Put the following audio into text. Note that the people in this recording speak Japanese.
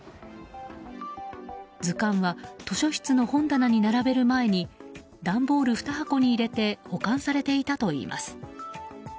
図鑑は図書室の本棚に並べる前に段ボール２箱に入れて保管されていたといいます。